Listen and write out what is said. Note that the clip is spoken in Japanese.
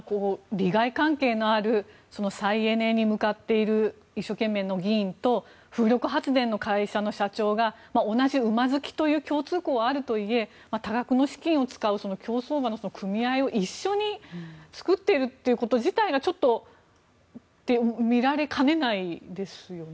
利害関係のある再エネに向かって一生懸命の議員と風力発電の会社の社長が同じ馬好きという共通項はあるとはいえ多額の資金を使う競走馬の組合を一緒に作っているということ自体がちょっとって見られかねないですよね。